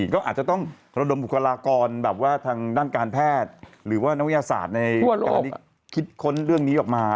ก็อาจจะต้องระดมบุคลากรแบบว่าทางด้านการแพทย์หรือว่านักวิทยาศาสตร์ในการที่คิดค้นเรื่องนี้ออกมา